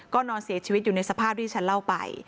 ก็นอนเสียชีวิตอยู่ในสภาพที่ฉันเล่าไป